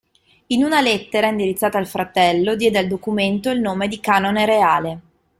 In una lettera indirizzata al fratello, diede al documento il nome di “canone reale”.